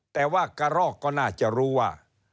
แต่ว่ากระรอกก็น่าจะรู้ว่า